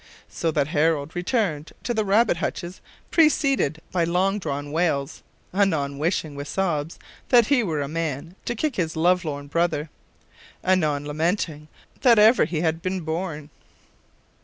So that Harold returned to the rabbit hutches preceded by long drawn wails: anon wishing, with sobs, that he were a man, to kick his love lorn brother: anon lamenting that ever he had been born.